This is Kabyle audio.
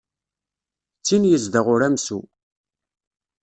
D tin yezdeɣ uramsu.